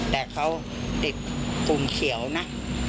แต่เขาติดปรุงเขียวนะ